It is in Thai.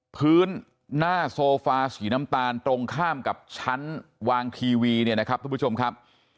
พื้นหน้าโซฟาสีน้ำตาลตรงข้ามกับชั้นวางทีวีเนี่ยนะครับทุกผู้ชมครับ